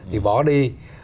thì bỏ đi